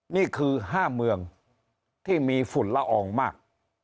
นี่คือ๕เมืองที่มีฝุ่นละอองมาก